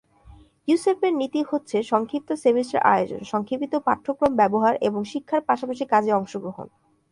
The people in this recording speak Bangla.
ইউসেপের নীতি হচ্ছে সংক্ষিপ্ত সেমিস্টার আয়োজন, সংক্ষেপিত পাঠ্যক্রম ব্যবহার এবং শিক্ষার পাশাপাশি কাজে অংশগ্রহণ।